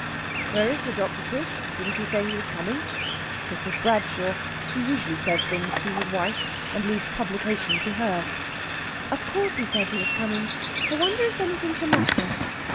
"Where is the doctor, Tish? Didn't he say he was coming?" This was Bradshaw. He usually says things to his wife, and leaves publication to her. "Of course he said he was coming. I wonder if anything's the matter?"